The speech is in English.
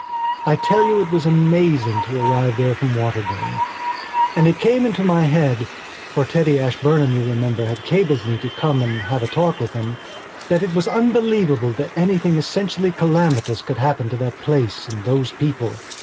I tell you it was amazing to arrive there from Waterbury. And it came into my headfor Teddy Ashburnham, you remember, had cabled to me to "come and have a talk" with himthat it was unbelievable that anything essentially calamitous could happen to that place and those people.